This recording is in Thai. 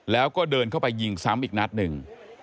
แล้วก็เดินเข้าไปยิงซ้ำอีกนัดหนึ่ง